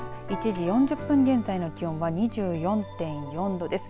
１時４０分現在の気温は２４．４度です。